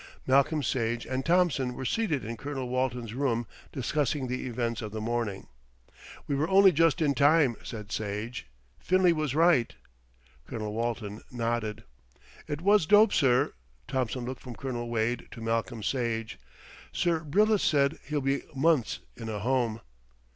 Malcolm Sage and Thompson were seated in Colonel Walton's room discussing the events of the morning. "We were only just in time," said Sage. "Finlay was right." Colonel Walton nodded. "It was dope, sir." Thompson looked from Colonel Walton to Malcolm Sage. "Sir Bryllith said he'll be months in a home."